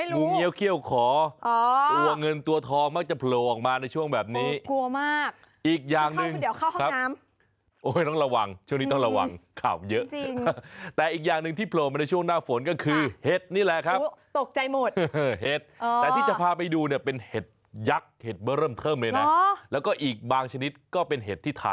เดี๋ยวฟังก่อนหน้าฝนเจออะไรบ้างนะ